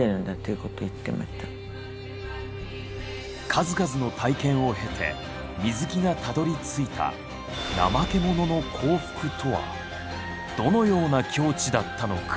数々の体験を経て水木がたどりついた「なまけ者の幸福」とはどのような境地だったのか？